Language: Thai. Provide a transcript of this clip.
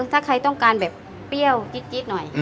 ถ้าใครต้องการแบบเปรี้ยวจิ๊ดหน่อย